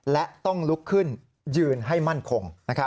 และต้องลุกขึ้นยืนให้มั่นคง